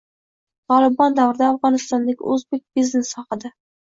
“Tolibon” davrida Afg‘onistondagi o‘zbek biznesi haqida